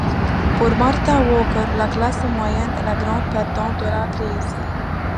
Pour Martin Walker, la classe moyenne est la grande perdante de la crise.